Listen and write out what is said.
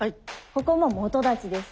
ここも基立ちです。